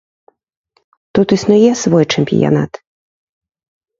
Тут існуе свой чэмпіянат.